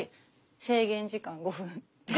制限時間５分。